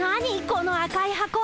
この赤い箱。